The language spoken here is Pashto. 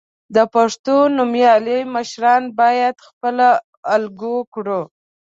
د پښتو نومیالي مشران باید خپله الګو کړو.